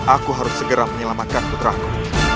aku harus segera menyelamatkan putraku